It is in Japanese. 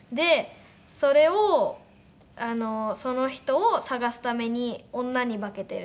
それをその人を捜すために女に化けてるんですよ。